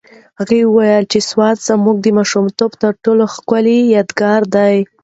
هغې وویل چې سوات زما د ماشومتوب تر ټولو ښکلی یادګار دی.